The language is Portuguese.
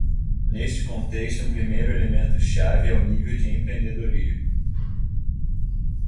Neste contexto, um primeiro elemento chave é o nível de empreendedorismo.